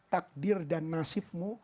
takdir dan nasibmu